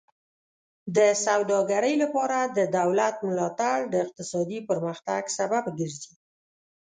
د سوداګرۍ لپاره د دولت ملاتړ د اقتصادي پرمختګ سبب ګرځي.